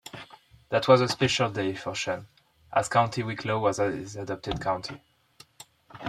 That was a special day for Sean, as County Wicklow was his adopted county.